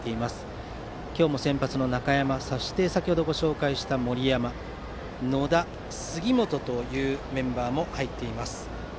今日も先発の中山と先程ご紹介した森山野田、杉本というメンバーも入っています。